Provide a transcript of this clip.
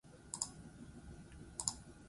Urte bete geroago iritsi zen on-line denda.